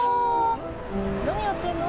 なにやってんの？